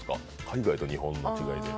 海外と日本の違いで。